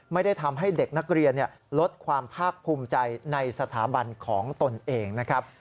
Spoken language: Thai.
ไม่ได้ทำให้เด็กนักเรียนลดความภาคภูมิใจในสถาบันของตนเองนะครับ